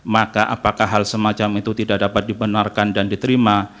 maka apakah hal semacam itu tidak dapat dibenarkan dan diterima